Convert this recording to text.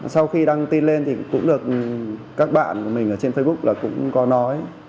sau khi đăng tin lên thì cũng được các bạn của mình ở trên facebook là cũng có nói